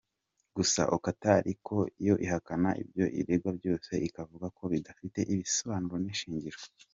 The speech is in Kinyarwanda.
Gusa Qatar yo ihakana ibyo iregwa byose, ikavuga ko bidafite ibisobanuro n’ishingiro.